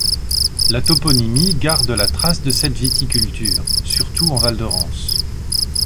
La toponymie garde la trace de cette viticulture, surtout en Val de Rance.